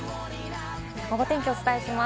ゴゴ天気をお伝えします。